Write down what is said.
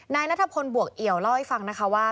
นายนัทพลบวกเอี่ยวเล่าให้ฟังนะคะว่า